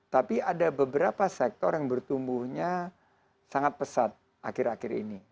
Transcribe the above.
tapi ada beberapa sektor yang bertumbuhnya sangat pesat akhir akhir ini